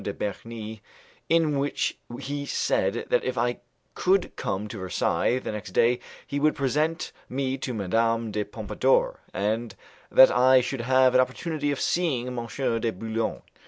de Bernis, in which he said that if I could come to Versailles the next day he would present me to Madame de Pompadour, and that I should have an opportunity of seeing M. de Boulogne.